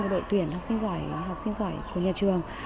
học sinh của đội tuyển học sinh giỏi học sinh giỏi của nhà trường